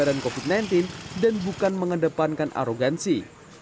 kami juga mencoba menyebaran covid sembilan belas dan bukan mengedepankan arogansi